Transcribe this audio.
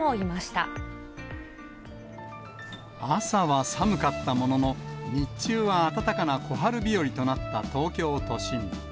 朝は寒かったものの、日中は暖かな小春日和となった東京都心。